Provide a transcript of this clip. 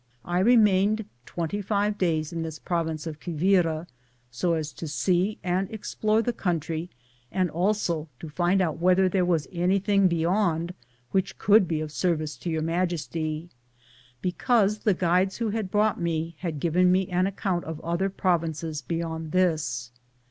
1 I remained twenty five days in this province of Quivira, so as to see and explore the country and also to find out whether there was anything beyond which could be of service to Your Majesty, because the guides who had brought me had given me an account of other provinces beyond this.